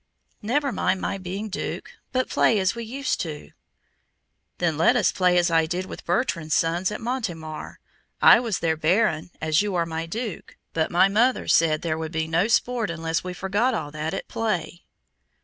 "Never mind my being Duke, but play as we used to do." "Then let us play as I did with Bertrand's sons at Montemar. I was their Baron, as you are my Duke, but my mother said there would be no sport unless we forgot all that at play."